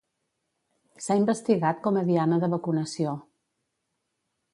S'ha investigat com a diana de vacunació.